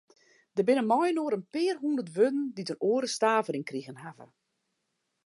Der binne mei-inoar in pear hûndert wurden dy't in oare stavering krigen hawwe.